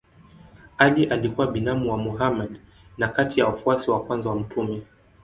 Ali alikuwa binamu wa Mohammed na kati ya wafuasi wa kwanza wa mtume.